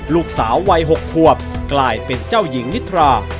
ลูกสาววัย๖ควบกลายเป็นเจ้าหญิงนิทรา